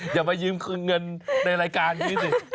อย่ามายืมเงินในรายการนี้สิ